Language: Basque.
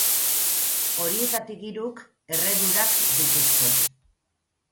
Horietatik hiruk erredurak dituzte.